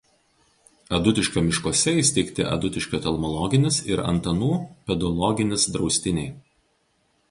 Adutiškio miškuose įsteigti Adutiškio telmologinis ir Antanų pedologinis draustiniai.